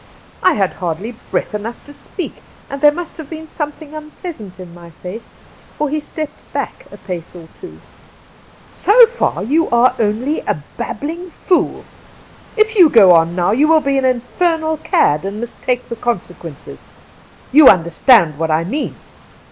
I had hardly breath enough to speak, and there must have been some thing unpleasant in my face, for he stepped back Cassidy 149 a pace or two. ' So far you aye only a babbling fool. If you go on now you will be an infernal cad and must take the consequences. You understand what I mean.